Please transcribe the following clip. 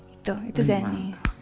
itu itu zany